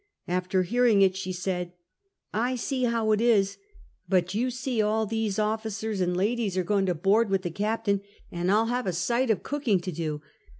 After hearing it she said: "I see how it is; but you see all these officers and ladies are agoin' to board with the captain, an' I '11 have a sight o' cooking to do.